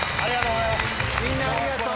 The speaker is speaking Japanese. みんなありがとう。